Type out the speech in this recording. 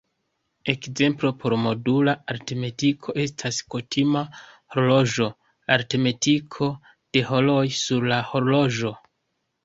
Ekzemplo por modula aritmetiko estas kutima horloĝo: la aritmetiko de horoj sur la horloĝo.